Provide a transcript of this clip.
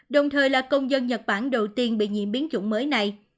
đồng thời là công dân nhật bản đầu tiên bị nhiễm biến chủng mới này